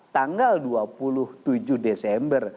tanggal dua puluh tujuh desember